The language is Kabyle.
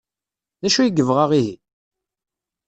D acu ay yebɣa ihi?